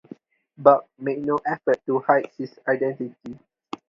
Buck made no effort to hide his identity.